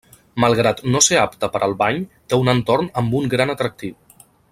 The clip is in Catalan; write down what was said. Malgrat no ser apta per al bany, té un entorn amb un gran atractiu.